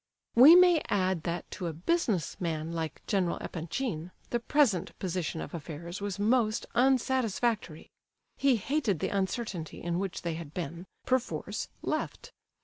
We may add that to a business man like General Epanchin the present position of affairs was most unsatisfactory. He hated the uncertainty in which they had been, perforce, left.